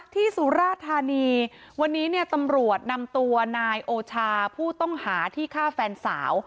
สุราธานีวันนี้เนี่ยตำรวจนำตัวนายโอชาผู้ต้องหาที่ฆ่าแฟนสาว